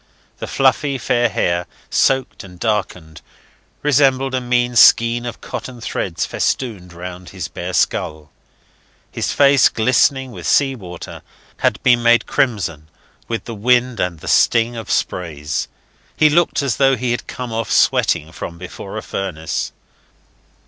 The fluffy, fair hair, soaked and darkened, resembled a mean skein of cotton threads festooned round his bare skull. His face, glistening with sea water, had been made crimson with the wind, with the sting of sprays. He looked as though he had come off sweating from before a furnace.